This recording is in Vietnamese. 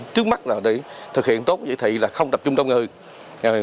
trước mắt là để thực hiện tốt chỉ thị là không tập trung đông người